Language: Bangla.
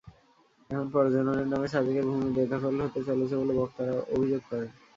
এখন পর্যটনের নামে সাজেকের ভূমি বেদখল হতে চলছে বলে বক্তারা অভিযোগ করেন।